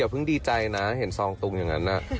เพิ่งดีใจนะเห็นซองตุงอย่างนั้น